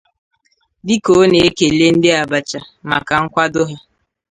Dịka ọ na-ekele Ndị Abacha maka nkwàdo ha